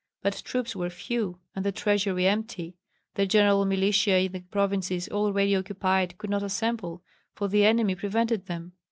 But troops were few, and the treasury empty; the general militia in the provinces already occupied could not assemble, for the enemy prevented them.